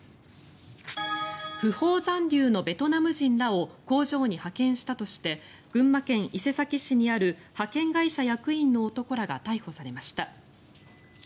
不法残留のベトナム人らを工場に派遣したとして群馬県伊勢崎市にある派遣会社役員の男らが逮捕されました。